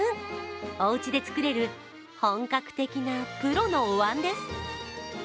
おうちで作れる本格的なプロのおわんです。